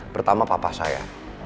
pertama papa saya